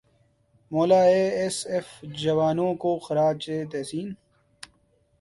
مولا A S F جوانوں کو خراج تحسین